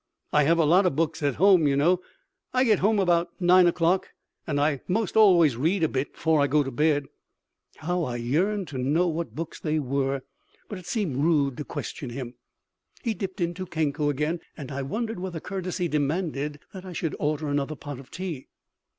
I have a lot of books at home, you know. I get home about nine o'clock, and I most always read a bit before I go to bed." How I yearned to know what books they were, but it seemed rude to question him. He dipped into Kenko again, and I wondered whether courtesy demanded that I should order another pot of tea.